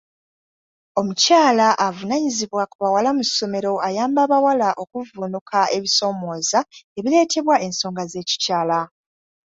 Omukyala avunaanyizibwa ku bawala mu ssomero ayamba abawala okuvvunuka ebisoomooza ebireetebwa ensonga z'ekikyala.